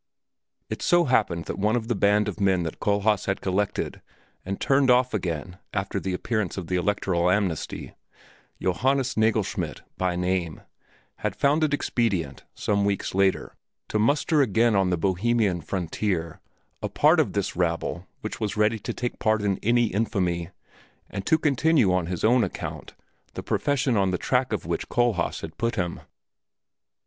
It so happened that one of the band of men that Kohlhaas had collected and turned off again after the appearance of the electoral amnesty, Johannes Nagelschmidt by name, had found it expedient, some weeks later, to muster again on the Bohemian frontier a part of this rabble which was ready to take part in any infamy, and to continue on his own account the profession on the track of which Kohlhaas had put him.